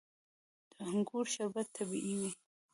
د انګورو شربت طبیعي وي.